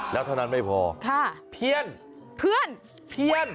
แล้วเท่านั้นไม่พอค่ะเพี้ยนเพื่อนเพี้ยน